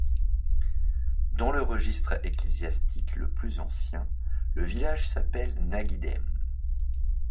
Dans le registre ecclésiastique le plus ancien, le village s'appelle Nagy-Dém.